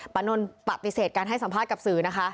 นนท์ปฏิเสธการให้สัมภาษณ์กับสื่อนะคะ